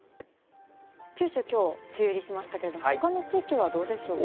九州、きょう梅雨入りしましたけれども、ほかの地域はどうでしょうか。